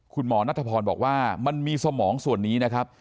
คุณหมอนัทพรบอกว่ามันมีสมองส่วนนี้นะครับ